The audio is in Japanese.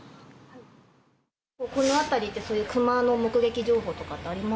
この辺りってそういう熊の目撃情報とかあります。